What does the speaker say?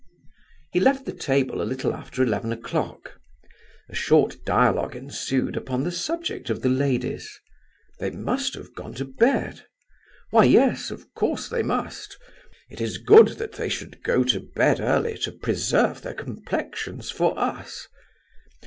He left the table a little after eleven o'clock. A short dialogue ensued upon the subject of the ladies. They must have gone to bed? Why, yes; of course they must. It is good that they should go to bed early to preserve their complexions for us.